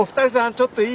ちょっといい？